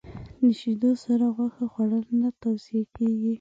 د شیدو سره غوښه خوړل نه توصیه کېږي.